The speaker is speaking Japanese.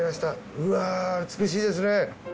うわぁ美しいですね。